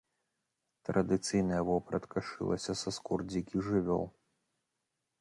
Традыцыйная вопратка шылася са скур дзікіх жывёл.